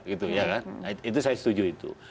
itu saya setuju itu